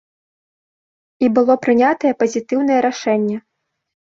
І было прынятае пазітыўнае рашэнне.